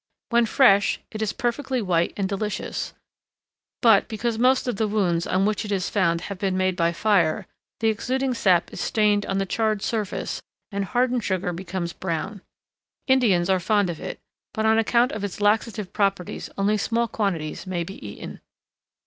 When fresh, it is perfectly white and delicious, but, because most of the wounds on which it is found have been made by fire, the exuding sap is stained on the charred surface, and the hardened sugar becomes brown. Indians are fond of it, but on account of its laxative properties only small quantities may be eaten.